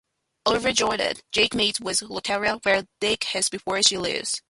Overjoyed, Jake meets with Loretta, where they kiss before she leaves.